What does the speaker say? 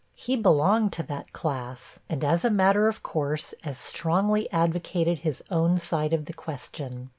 He belonged to that class, and, as a matter of course, as strongly advocated his own side of the question.